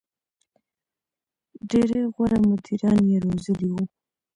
• ډېری غوره مدیران یې روزلي وو.